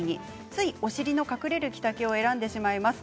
ついお尻の隠れる着丈を選んでしまいます。